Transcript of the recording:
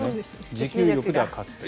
持久力では勝つという。